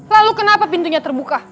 lalu kenapa pintunya terbuka